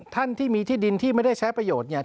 ท่านที่มีที่ดินที่ไม่ได้ใช้ประโยชน์เนี่ย